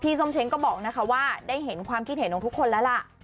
ส้มเช้งก็บอกนะคะว่าได้เห็นความคิดเห็นของทุกคนแล้วล่ะ